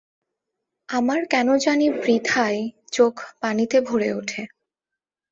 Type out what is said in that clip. আমার কেন জানি বৃথাই চোখ পানিতে ভরে উঠে।